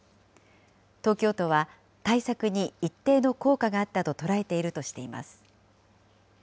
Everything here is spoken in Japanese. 東京都は対策に一定の効果があったと捉えているとしています。